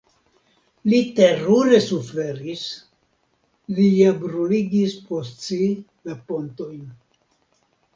Li terure suferis, li ja bruligis post si la pontojn.